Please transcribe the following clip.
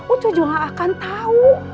ucu juga akan tau